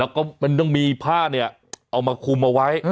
แล้วก็มันต้องมีผ้าเนี่ยเอามาคุมเอาไว้